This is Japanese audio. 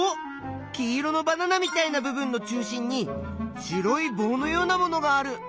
黄色のバナナみたいな部分の中心に白いぼうのようなものがある。